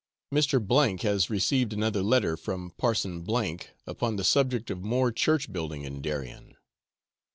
Mr. has received another letter from Parson S upon the subject of more church building in Darien.